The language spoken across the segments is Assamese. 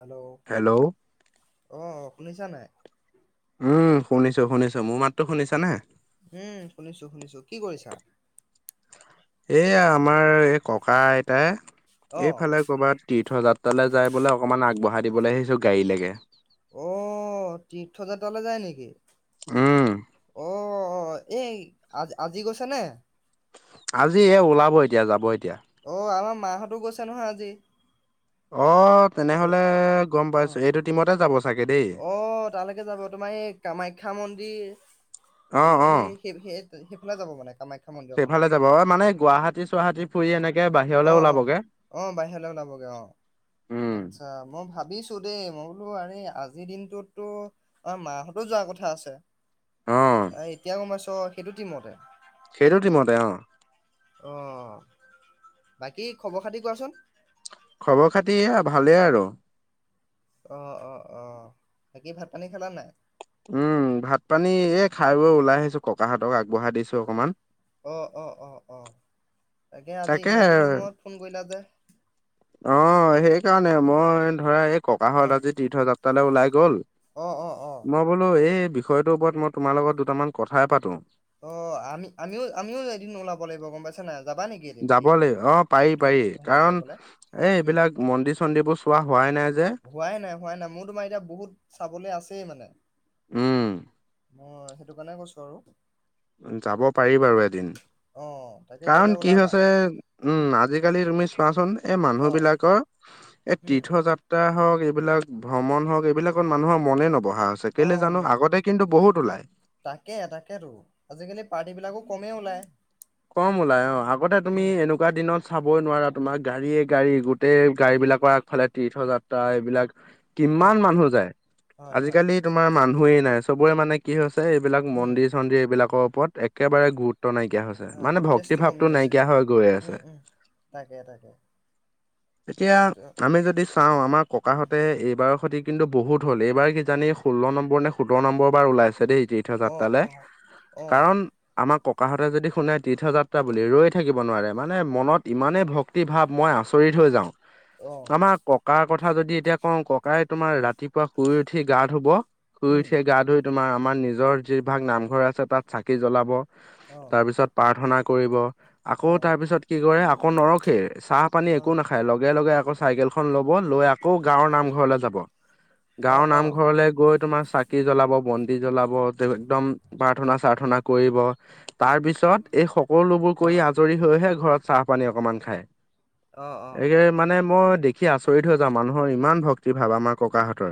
হেল্ল' হেল্ল' অ', শুনিছা নে? উম, শুনিছো শুনিছো মোৰ মাততো শুনিছা নে? উম, শুনিছো শুনিছো কি কৰিছা? এইয়া আমাৰ এই ককা আইতাই, অ এইফালে ক'ৰবাত তীৰ্থযাত্ৰালে যাই বোলে অকণমান আগবহাই দিবলে আহিছো গাড়ীলৈকে। অ', তীৰ্থযাত্ৰালে যায় নেকি? অ', উম অ, এই আ-আজি গৈছে নে? আজিহে ওলাব এতিয়া যাব এতিয়া। অ', আমাৰ মা হতো গৈছে নহয় আজি। অ', তো তেনেহলে গম অ পাইছো সেইটো টিমতে যাব চাগে দেই। অ', তালৈকে যাব তোমাৰ এই কামাখ্যা মন্দিৰ। তেনে অ', অ, [unintelligible] সেই ফালে যাব মানে কামাখ্যা। মন্দিৰৰ ফালে সেইফালে যাব অ মানে গুৱাহাটী চুৱাহাটী ফুৰি এনেকে বাহিৰ অ, অ, অ, বাহিৰলৈ ওলাবগে অ, উম আচ্ছা মই ভাবি ছোঁ দে মই বোলো আৰে আজিৰ দিনটোতো আমাৰ মা হতেও যোৱাৰ কথা আছে। অ' এতিয়া গম পাইছোঁ সেইটো টিমতে। সেইটো টিমতে অ, অ, বাকী খবৰ খাতি কোৱাচোন? খবৰ খাতি এ ভালে আৰু। অ', অ, অ, বাকী ভাত পানী খালা নে? উম, ভাত পানী এই খাই বৈ ওলাই আহিছো ককাহঁতক আগবঢ়াই দিছো অকণমান। অ', অ, অ, অ, তাকে আজি ইমান দিনৰ মূৰত ফোন কৰিলা যে? অ', সেইকাৰণে মই ধৰা এই ককাহঁত অ', আজি তীৰ্থযাত্ৰালৈ ওলাই গ'ল। অ', অ, অ, মই বোলো এই বিষয়টোৰ ওপৰত মই তোমাৰ লগত দুটামান কথাই পাতো। অ', আমি আমিও আমিও এদিন ওলাব লাগিব গম পাইছা নে যাবা নেকি? এদিন যাব তীৰ্থ লাগিব অ, পাৰি তীৰ্থ পাৰি ভ্ৰমণ কাৰণ, কৰিবলে? এই উম, এইবিলাক মন্দিৰ চন্দিৰবোৰ চোৱা হোৱাই নাই যে। হোৱাই নাই হোৱাই নাই মোৰ তোমাৰ এতিয়া বহুত, চাবলে আছেই মানে। উম, অ', সেইটো কাৰণে কৈছো আৰু। উম, যাব পাৰি বাৰু এদিন। অ', তাকে গ'লে কাৰণ কি ওলাবা। হৈছে উম, আজিকালি তুমি চোৱাচোন এই মানুহ অ', বিলাকৰ এই উম, তীৰ্থযাত্ৰা হওক এইবিলাক ভ্ৰমণ হওক এইবিলাকত মানুহৰ মনে নবহা [unintelligible] ছে কেলে জানো অ', আগতে কিন্তু বহুত ওলাই। তাকে তাকেতো আজিকালি পাৰ্টিবিলাকো কমেই ওলায়। কম উলাই অ, আগতে তুমি উম, এনু এনেকুৱা দিনত চাবই নোৱাৰা তোমাৰ গাড়ীয়ে গাড়ী গোটেই গাড়ীবিলাকৰ আগফালে তীৰ্থ যাত্ৰা এইবিলাক কিমান অ'। মানুহ যায়, হয় হয় আজিকালি তোমাৰ মানুহেই নাই চবৰে মানে- কি হৈছে এইবিলাক উম মন্দিৰ চন্দিৰ এইবিলাকৰ ওপৰত একেবাৰে গুৰুত্ব নাইকিয়া হৈছে। হয় মানে ভক্তি ইণ্টাৰেষ্টটো ভাৱটো কমি গৈছে নাইকিয়া হৈ গৈ আছে। উম উম তাকে তাকে এতিয়া, ত- আমি যদি চাওঁ আমাৰ উম ককাহঁতে এইবাৰৰ সতি কিন্তু বহুত হল এইবাৰ কি জানি ষোল্ল নম্বৰ নে সোতৰ নম্বৰৰ পৰা ওলাইছে দেই এই অ তীৰ্থযাত্ৰালে, অ অ কাৰণ, আমাৰ ককাহঁতে যদি শোনে তীৰ্থযাত্ৰা বুলি ৰৈ থাকিব নোৱাৰে, মানে মনত ইমানেই ভক্তি ভাৱ মই আচৰিত হৈ যাওঁ। অ আমাক- ককাৰ কথা যদি এতিয়া কওঁ ককাই তোমাৰ ৰাতিপুৱা শুই উঠি গা ধুব, শুই উম উঠিয় গা ধুই- তোমাৰ আমাৰ নিজৰ যিভাগ নামঘৰ আছে তাত চাকি জ্বলাব অ তাৰপিছত- প্ৰাৰ্থনা কৰিব আকৌ অ তাৰপিছত কি কৰে আকৌ নৰখেই চাহ পানী অ অ একো নাখ- খায়, লগে লগে আকৌ চাইকেলখন ল'ব লৈ- আকৌ গাঁৱৰ নামঘৰলৈ যাব গাঁৱৰ অ নামঘৰলৈ গৈ তোমাৰ চাকি জ্বলাব ব- ন্তি জ্বলাব একদম প্ৰাৰ্থনা চাৰ্থনা কৰিব তাৰ পিছত এই সকলোবোৰ অ কৰি আজৰি হৈহে ঘৰত চাহ পানী অকমান খায়। অ অ অ এইয়াই মানে মই দেখি আচৰিত হৈ যাওঁ মানুহৰ ইমান ভক্তি ভাৱ আমাৰ ককাহঁতৰ।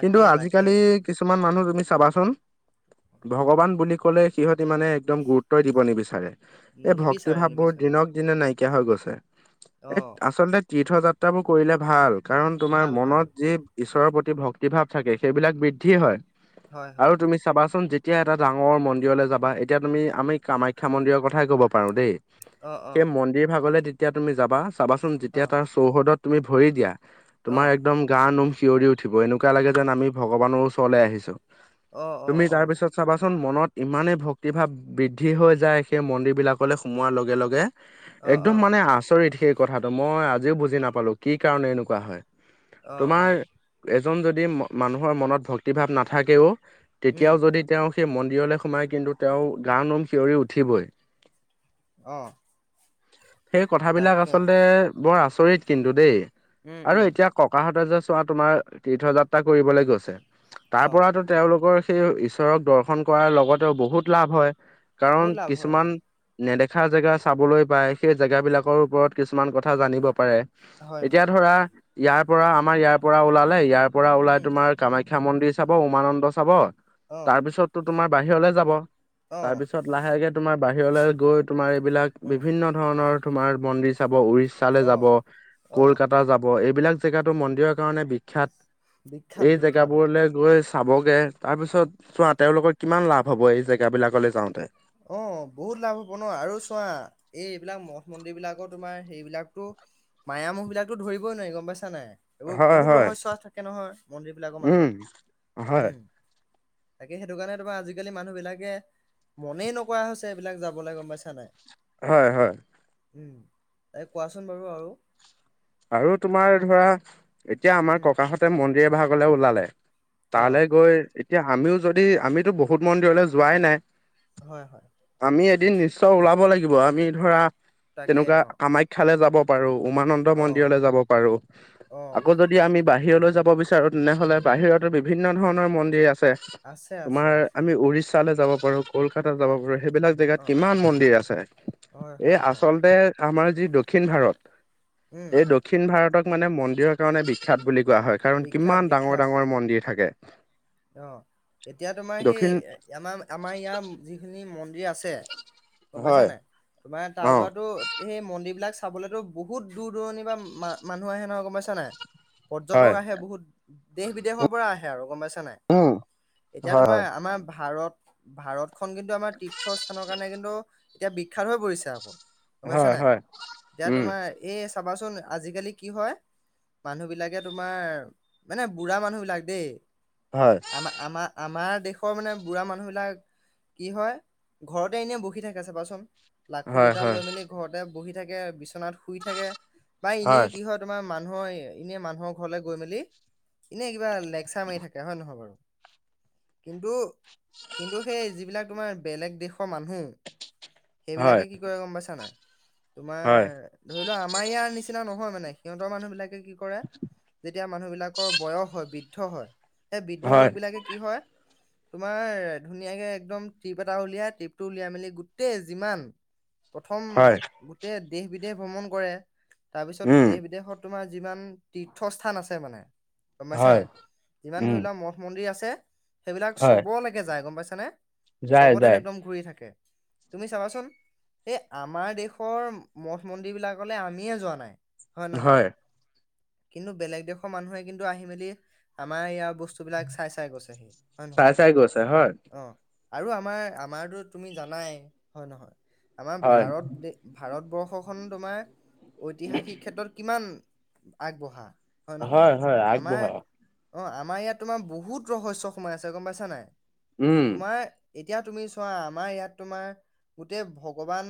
কিন্তু তাকে আজিকালি- কিছুমান মানুহ তুমি চাবাচোন ভগৱান বুলি ক'লে সিহঁত ইমানে একদম গুৰুত্বই দিব নিবিচ- চাৰে এই ভক্তি নিবিচাৰে ভাৱবোৰ নিবিচাৰে দিনক- দিনে নাইকিয়া হৈ গৈছে অ এই আচলতে তীৰ্থ যাত্ৰাবোৰ কৰিলে ভাল। কাৰণ তোমাৰ ভাল ভাল মনত যি ঈশ্বৰৰ প্ৰতি ভক্তি ভাৱ থাকে সেইবিলাক বৃদ্ধি হয়। হয় আৰু হয় তুমি চাবাচোন যেতিয়া এটা ডাঙৰ মন্দিৰলৈ যাবা এতিয়া তুমি আমি কামাখ্যা- খ্যা মন্দিৰৰ কথাই কব পাৰো দেই অ অ সেই মন্দিৰ ভাগলৈ তেতিয়া তুমি যাবা। চাবাচোন অ যেতিয়া তাৰ চৌহদত তুমি ভৰি দিয়া অ অ তুমাৰ একদম গা নোম শিয়ৰি- উঠিব, এনেকুৱা লাগে যেন আমি ভগৱানৰ ওচৰলৈ আহিছো। অ অ তুমি তাৰ পিছত- চাবাচোন মনত ইমানেই ভক্তিভাৱ বৃদ্ধি হৈ যায় সেই মন্দিৰবিলাকলৈ সোমোৱাৰ লগে লগে। অ অ একদম মানে আচৰিত সেই কথাটো মই আজিও বুজি নাপালো কি কাৰণে এনেকুৱা হয়। অ অ তোমাৰ এজন যদি মানুহৰ মনত ভক্তি ভাৱ নাথাকেও- উম তেতিয়াও যদি তেওঁ সেই মন্দিৰলৈ সোমায় কিন্তু তেওঁ গা নোম শিয়ৰি উঠিবই। অ সেই কথাবিলাক তাকে আচলতে বৰ আচৰিত কিন্তু দেই উম আৰু উম এতিয়া- ককাহঁতে যে চোৱা তোমাৰ তীৰ্থযাত্ৰা কৰিবলৈ গৈছে, তাৰ অ পৰা- তেওঁলোকৰ সেই ঈশ্বৰক দৰ্শন কৰাৰ লগতেও বহুত লাভ হয়। কাৰণ বহুত লাভ হয় কিছুমান হয়। নেদেখা জেগা চাবলৈ পাই সেই জেগাবিলাকৰ ওপৰত কিছুমান কথা জানিব পাৰে। হয় এতিয়া হয় ধৰা ইয়াৰ পৰা আমাৰ ইয়াৰ পৰা ওলালে, ইয়াৰ পৰা ওলাই উম তোমাৰ- কামাখ্যা মন্দিৰ চাব উমানন্দ চাব অ তাৰপিছতো তোমাৰ বাহিৰলৈ যাব। অ', তাৰপিছত- পিছত লাহেকে তোমাৰ বাহিৰলৈ গৈ তোমাৰ এইবিলাক উম। বিভিন্ন ধৰণৰ তোমাৰ মন্দিৰ চাব উৰি- তালে যাব, অ', অ', কলকাতা যাব এইবিলাক জেগাতো মন্দিৰৰ কাৰণে বিখ্যাত। বিখ্যাত এই জেগা বিখ্যাত অ'। বোৰলে- গৈ চাবগে তাৰ পিছত চোৱা তেওঁলোকৰ কিমান লাভ হব এই জেগা বিলাকলৈ যাওঁতে। অঁ বহুত লাভ হ'ব ন, আৰু চোৱা। এই এইবিলাক মঠ মন্দিৰ বিলাকো তোমাৰ সেইবিলাকতো- মায়া মোহ বিলাকতো ধৰিবই নোৱাৰি গম পাইছা নাই। এইবোৰ হয় বহুত হয় ৰহস্য থাকে নহয় মন্দিৰবিলাকৰ উম মাজত। হয় উম- তাকে সেইটো কাৰণে তোমাৰ আজিকালি মানুহ বিলাকে- মনেই নকৰা হৈছে এইবিলাক যাবলৈ গম পাইছা নাই। হয় হয়। এই কোৱাচোন বাৰু আৰু। আৰু তোমাৰ ধৰা এতিয়া আমাৰ উম, ককাহঁতে মন্দিৰ এভাগলে ওলালে অ', তালে গৈ এতিয়া আমিও যদি আমিতো বহুত মন্দিৰলৈ যোৱাই নাই হয় হয় আমি এদিন নিশ্চয় ওলাব লাগিব আমি ধৰা তাকে তেনেকুৱা অ', কামাইক শিক্ষালৈ যাব পাৰো উমানন্দ অ', মন্দিৰলৈ যাব পাৰো, অ', আকৌ যদি- যদি আমি বাহিৰলৈ যাব বিচাৰো তেনেহ'লে বাহিৰতো বিভিন্ন ধৰণৰ মন্দিৰ আছে। আছে, আছে, তোমাৰ আছে আমি উৰিষ্যালৈ যাব পাৰো। কলকাত যাব হয়, পাৰো সেইবিলাক জেগাত অ', কিমান মন্দিৰ আছে। হয়, এই হয়, হয়, আচলতে- আমাৰ যি দক্ষিণ ভাৰত উম। এই দক্ষিণ ভাৰতক মানে মন্দিৰৰ কাৰণে বিখ্যাত বুলি কোৱা হয় কাৰণ বিখ্যাত কিমান ডাঙৰ বিখ্যাত ডাঙৰ মন্দিৰ থাকে অ এতিয়া তোমাৰ সেই দক্ষিণ আমাৰ আমাৰ ইয়াৰ যিখিনি মন্দিৰ আছে গম পাইছা হয় নাই তোমাৰ অ তাৰ পৰাতো সেই মন্দিৰ বিলাক চাবলেতো বহুত দূৰ দূৰণিৰ পা মা মানুহ আহে নহয় গম পাইছা নাই হয় পৰ্যটক আহে বহুত দেশ বিদেশৰ পৰা আহে আৰু গম পাইছা নাই উম এতিয়া হয় তোমাৰ হয়। আমাৰ ভাৰত ভাৰতখন কিন্তু আমাৰ তীৰ্থস্থানৰ কাৰণে কিন্তু এতিয়া বিখ্যাত হৈ পৰিছে আকৌ গম পাইছা হয় নাই হয় এতিয়া উম। তোমাৰ এ চাবাচোন আজিকালি কি হয় মানুহবিলাকে তোমাৰ মানে বুঢ়া মানুহবিলাক দেই হয় আমা আমাৰ দেশৰ মানে বুঢ়া মানুহবিলাক কি হয় ঘৰতে এনেই বহি থাকে চাবাচোন লাখুটি হয় এডাল হয় লৈ মেলি ঘৰতে বহি থাকে বিচনাত শুই থাকে বা হয় এনেই কিহত তোমাৰ মানুহৰ এনে মানুহৰ ঘৰলে গৈ মেলি এনে কিবা লেকচাৰ মাৰি থাকে হয় নহয় বাৰু কিন্তু কিন্তু সেই যিবিলাক তোমাৰ বেলেগ দেশৰ মানুহ হয় সেইবিলাকে কি কৰে গম পাইছা নাই তোমাৰ ধৰি লোৱা আমাৰ ইয়াৰ নিচিনা নহয় মানে সিহঁতৰ মানুহ বিলাকে কি কৰে যেতিয়া মানুহবিলাকৰ বয়স হয় বৃদ্ধ হয় সেই বৃদ্ধ হয় লোক বিলাকে কি হয় তোমাৰ ধুনীয়াকে একদম ট্ৰিপ এটা উলিয়াই ট্ৰিপটো উলিয়াই মেলি গোটেই যিমান প্ৰথম হয় গোটেই দেশ বিদেশ ভ্ৰমণ কৰে তাৰপিছত উম দেশ বিদেশত তোমাৰ যিমান তীৰ্থস্থান আছে মানে গম পাইছা হয় নাই যিমান উম ধৰি লোৱা মঠ মন্দিৰ আছে সেইবিলাক হয় চবলেকে যায় গম পাইছা নে যায় চবতে যায় একদম ঘূৰি থাকে তুমি চাবাচোন এই আমাৰ দেশৰ মঠ মন্দিৰ বিলাকলে আমিয়ে যোৱা নাই হয় নহয় কিন্তু বেলেগ দেশৰ মানুহে কিন্তু আহি মেলি আমাৰ ইয়াৰ বস্তু বস্তুবিলাক চাই চাই গৈছেহি হয় চাই নহয় চাই গৈছে হয় অ আৰু আমাৰ আমাৰতো তুমি জানাই হয় নহয় আমাৰ হয় ভাৰত দে ভাৰতবৰ্ষখন তোমাৰ ঐতিহাসিক ক্ষেত্ৰত কিমান আগবঢ়া হয় নহয় হয় আমাৰ আগবঢ়া অ আমাৰ ইয়াত তোমাৰ বহুত ৰহস্য সোমাই আছে গম পাইছা নাই উম তোমাৰ এতিয়া তুমি চোৱা আমাৰ ইয়াত তোমাৰ গোটেই ভগৱান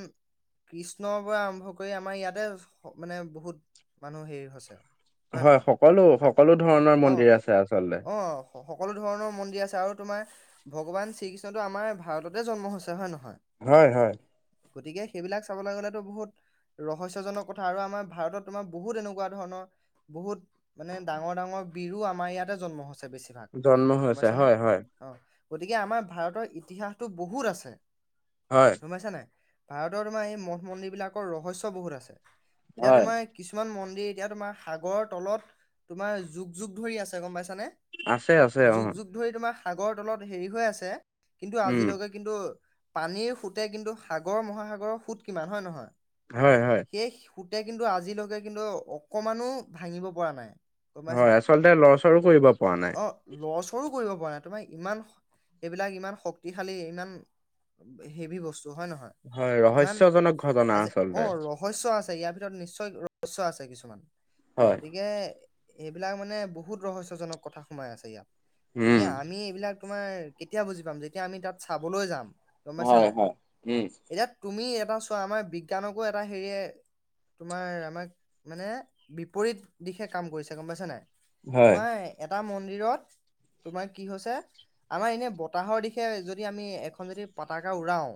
কৃষ্ণৰ পৰা আৰম্ভ কৰি আমাৰ ইয়াতে মানে বহুত মানুহ হেৰি হৈছে হয় নহয় সকলো সকলো আক ধৰণৰ অ মন্দিৰ আছে আচলতে অ সকলো ধৰণৰ মন্দিৰ আছে আৰু তোমাৰ ভগৱান শ্ৰীকৃষ্ণটো আমাৰ ভাৰততে জন্ম হৈছে হয় নহয় হয় হয় গতিকে সেইবিলাক চাবলে গ'লেতো বহুত ৰহস্যজনক কথা আৰু আমাৰ ভাৰতত তোমাৰ বহুত এনেকুৱা ধৰণৰ বহুত মানে ডাঙৰ ডাঙৰ বিৰো আমাৰ ইয়াতে জন্ম হৈছে বেছিভাগ জন্ম গম হৈছে পাইছা নে হয় হয় অ গতিকে আমাৰ ভাৰতৰ ইতিহাসটো বহুত আছে। হয়। গম পাইছা নাই ভাৰতৰ তোমাৰ এই মঠ মন্দিৰ, বিলাকৰ ৰহস্য বহুত আছে। এতিয়া হয় তোমাৰ- কিছুমান মন্দিৰ, এতিয়া তোমাৰ সাগৰৰ, তলত তোমাৰ যুগ যুগ ধৰি আছে গম পাইছানে। আছে আছে অ যুগ যুগ ধৰি তোমাৰ সাগৰ তলত হেৰি হৈ আছে কিন্তু উম আজিলৈকে কিন্তু পানীৰ সোতে কিন্তু সাগৰ মহাসাগৰৰ সুত কিমান হয় নহয় হয় হয় সেই সুতে কিন্তু আজিলৈকে কিন্তু অকমানো ভাঙিব পৰা নাই গম পাইছা হয় আচলতে লৰচৰো কৰিব পৰা নাই অ লৰচৰো কৰিব পৰা নাই তোমাৰ ইমান এইবিলাক ইমান শক্তিশালী ইমান হেভি বস্তু হয় নহয় হয় ইমান ৰহস্যজনক ঘটনা আজি অ আচলতে ৰ হস্য আছে ইয়াৰ ভিতৰত নিশ্চয় ৰহস্য আছে কিছুমান হয় গতিকে সেইবিলাক মানে বহুত ৰহস্যজনক কথা সোমাই আছে ইয়াত গতিকে উম আমি এইবিলাক তোমাৰ কেতিয়া বুজি পাম যেতিয়া আমি তাত চাবলৈ যাম গম পাইছা হয় নাই। হয় উম এতিয়া তুমি এটা চোৱা আমাৰ বিজ্ঞানকো এটা হেৰিয়ে তোমাৰ আমাক মানে বিপৰীত দিশে কাম কৰিছে গম পাইছে নাই হয় তোমাৰ এটা মন্দিৰত তোমাৰ কি হৈছে- আমাৰ এনে বতাহৰ দিশে যদি আমি এখন যদি পতাকা উৰাও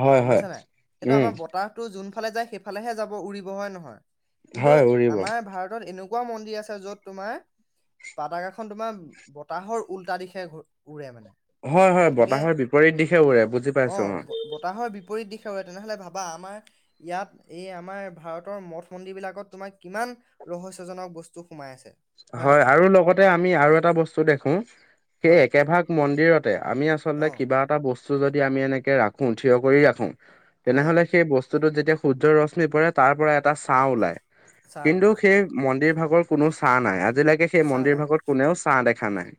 হয় গম হয় পাইছা নাই সেইটো উম আমাৰ বতাহ তো যোন ফালে যায় সেইফালেহে যাব উৰিব হয় নহয় কিন্তু- হয় উৰিব আমাৰ ভাৰতত এনেকোৱাও মন্দিৰ আছে, যত তোমাৰ পতাকাখন তোমাৰ বতাহৰ উলটা দিশে উৰে মানে। হয় হয় গতিকে বতাহৰ বিপৰীত দিশে উৰে বুজি পাইছো অ বতাহৰ বিপৰীত দিশে তেনেহ'লে ভাবা আমাৰ ইয়াত এই আমাৰ ভাৰতৰ মঠ-মন্দিৰ বিলাকত তোমাৰ কিমান ৰহস্যজনক বস্তু সোমাই আছে। হয় আৰু লগতে আমি আৰু এটা বস্তু দেখো- সেই হয় একেভাগ মন্দিৰতে আমি অ আচলতে কিবা এটা বস্তু যদি আমি এনেকে ৰাখো থিয় কৰি ৰাখো হয় তেনেহলে সেই ব স্তুটোত যেতিয়া সূৰ্যৰ ৰশ্মি পৰে তাৰ পৰা এটা হয় ছাঁহ ওলাই চাহ কিন্তু ওলাই অ সেই মন্দিৰ ভাগৰ কোনো ছাঁ নাই আজিলৈকে সেই চাহ মন্দিৰ নাই অ। ভাগত কোনেও ছাঁ দেখা নাই।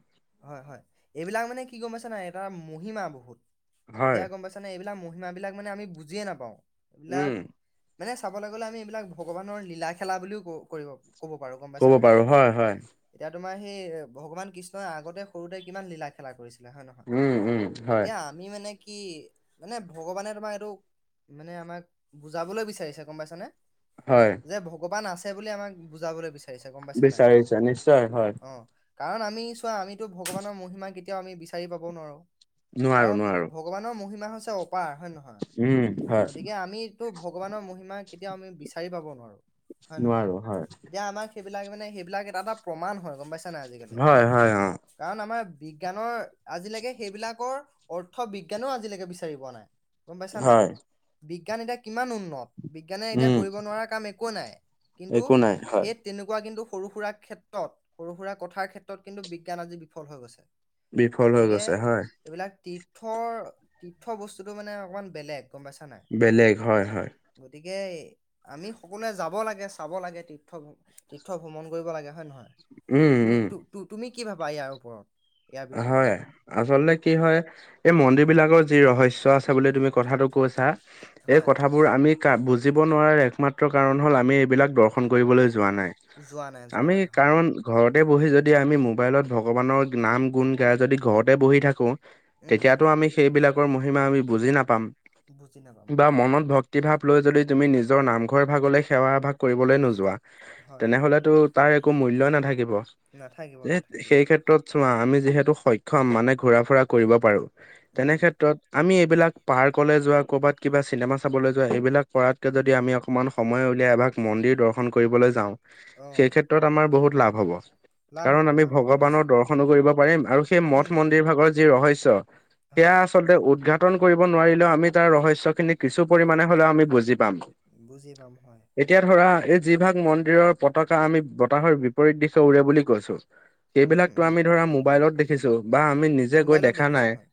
হয় হয় এইবিলাক মানে কি গম পাইছা নাই এটা মহিমা বহুত হয় এতিয়া গম পাইছে মানে এইবিলাক মহিমাবিলাক মানে আমি বুজিয়ে নাপাও উম এইবিলাক- মানে চাবলৈ গ'লে আমি এইবিলাক ভগৱানৰ লীলা খেলা বুলিও ক কৰিব ক'ব পাৰো গম ক'ব পাইছা নাই পাৰো হয় হয়। এতিয়া তোমাৰ সেই ভগৱান কৃষ্ণই আগতে সৰুতে কিমান লীলা খেলা কৰিছে। হয় উম উম নহয় হয় এতিয়া আমি মানে কি মানে ভগৱানে তোমাৰ এইটো মানে আমাক বুজাবলৈ বিচাৰিছে গম পাইছানে। হয়। যে ভগৱান আছে বুলি আমাক বুজাবলৈ বিচাৰি বিচাৰিছে নিশ্চয় হয়। অ কাৰণ আমি চোৱা আমিতো ভগৱানৰ মহিমা কেতিয়াও আমি বিচাৰি পাব নোৱাৰো নোৱাৰো কাৰণ নোৱাৰো ভ ভগৱানৰ মহিমা হৈছে অপাৰ হয় নে নহয় উম হয় গতিকে আমি- টো ভগৱানৰ মহিমা কেতিয়াও আমি বিচাৰি পাব নোৱাৰো হয় নহয় নোৱাৰো হয় এতিয়া আমাক সেইবিলাক মানে সেইবিলাক এটা এটা প্ৰমাণ হয় গম পাইছা নাই আজিকালি হয় হয় অ কাৰণ আমাৰ বিজ্ঞানৰ আজিলৈকে সেইবিলাকৰ- অৰ্থ বিজ্ঞানেও আজিলৈকে বিচাৰি পোৱা নাই গম পাইছা নাই হয় বিজ্ঞান এতিয়া কিমান উন্নত বিজ্ঞানে এতিয়া উম কৰিব নোৱাৰা কাম একো নাই কিন্তু একো নাই হয় সেই তেনেকোৱা কিন্তু সৰু সুৰা ক্ষেত্ৰত সৰু সুৰা কথাৰ ক্ষেত্ৰত কিন্তু বিজ্ঞান আজি বিফল হৈ গৈছে। বিফল হৈ গতিকে গৈছে হয়। এইবিলাক তীৰ্থৰ তীৰ্থ বস্তুটো মানে অকণমান বেলেগ গম পাইছা নাই। বেলেগ হয়-হয়। গতিকে আমি সকলোৱে যাব লাগে চাব লাগে তীৰ্থ তীৰ্থ ভ্ৰমণ কৰিব লাগে হয় নহয় উম তুমি উম তু তু তুমি কি ভাবা ইয়াৰ ওপৰত ইয়াৰ বিষয়ে হয় মানে? আচলতে কি হয় এই উম। মন্দিৰ বিলাকৰ যি ৰহস্য আছে এতিয়া বোলে তুমি কথাটো কৈছা, এই হয় কথাবোৰ আমি কা বুজিব নোৱাৰাৰ একমাত্ৰ কাৰণ হ'ল আমি এইবিলাক দৰ্শন কৰিবলৈ যোৱা নাই। যোৱা নাই যোৱা আমি নাই হয় কাৰণ ঘৰতে বহি যদি আমি মোবাইলত ভগৱানৰ নাম, গুণ গাই যদি ঘৰতে বহি থাকোঁ, উম তেতিয়াতো আমি সেইবিলাকৰ মহিমা আমি বুজি নাপাম। বুজি নাপাম বা হয় মনত ভক্তি ভক্তি ভাৱ লৈ যদি তুমি নিজৰ নামঘৰ এভাগলৈ সেৱা এভাগ কৰিবলৈ নোযোৱা হয় তেনেহ'লে টো তাৰ একো মূল্যই নাথাকিব। নাথাকিব নাথাকিব সেই হয় ক্ষেত্ৰত চোৱা আমি যিহেতু সক্ষম মানে ঘূৰা ফুৰা কৰিব পাৰোঁ তেনে উম ক্ষেত্ৰত আমি এইবিলাক পাৰ্কলৈ যোৱা, কৰ'বাত কিবা চিনেমা চাবলৈ যোৱা এইবিলাক কৰাতকে যদি আমি অকমান সময় উলিয়াই এভাগ মন্দিৰ দৰ্শন কৰিবলৈ যাওঁ অ সেই ক্ষেত্ৰত আমাৰ বহুত লাভ হ'ব। লাভ হ'ব কাৰণ আমি লাভ হ'ব ভগৱানৰ নিশ্চয় দৰ্শনো কৰিব পাৰিম আৰু সেই উম মঠ-মন্দিৰ ভাগৰ যি ৰহস্য সেয়া হয় আচলতে উৎঘাটন কৰিব নোৱাৰিলেও আমি তাৰ ৰহস্যখিনি কিছু পৰিমাণে হ'লেও আমি বুজি পাম। বুজি পাম হয়। এতিয়া ধৰা এই যিভাগ মন্দিৰৰ পতাকা আমি বতাহৰ বিপৰীত দিশে উৰে বুলি কৈছোঁ উম সেইবিলাকটো উম আমি ধৰা মোবাইলত দেখিছো বা আমি নিজে গৈ মোবাইলত দেখা দেখিছো নাই হয়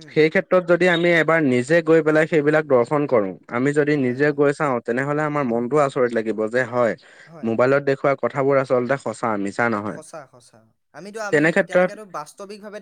উম সেই ক্ষেত্ৰত ত যদি আমি এবাৰ নিজে গৈ পেলাই সেইবিলাক দৰ্শন কৰোঁ আমি যদি হয় নিজে হয় গৈ চাওঁ, তেনেহ'লে আমাৰ উম মনটোও আচৰিত লাগিব যে হয় হয় মোবাইলত দেখুওৱা কথাবোৰ আচলতে সঁচা [unintelligible] সঁচা-সঁচা আমিতো আমি তেনে ক্ষেত্ৰত এতিয়ালৈকেতো বাস্তৱিকভাৱে